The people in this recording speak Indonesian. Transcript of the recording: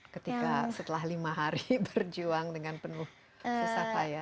ketika setelah lima hari berjuang dengan penuh susah payah